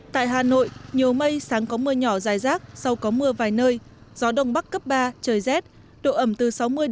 tại hà nội nhiều mây sáng có mưa nhỏ dài rác sau có mưa vài nơi gió đông bắc cấp ba trời rét độ ẩm từ sáu mươi ba mươi